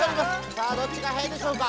さあどっちがはやいでしょうか？